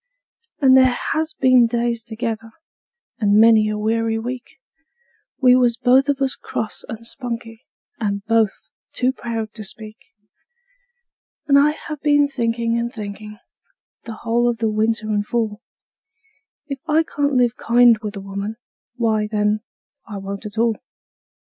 And there has been days together and many a weary week We was both of us cross and spunky, and both too proud to speak; And I have been thinkin' and thinkin', the whole of the winter and fall, If I can't live kind with a woman, why, then, I won't at all.